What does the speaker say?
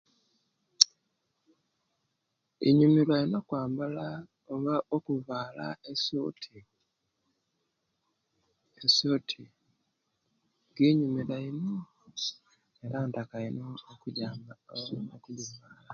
Inyumiruwa ino okwambala oba okuvala esuti esuti ginyumiruwa ino era ingitaka ino okujambala okugivala